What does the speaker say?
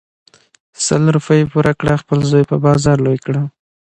سل روپی پور کړه خپل زوی په بازار لوی کړه .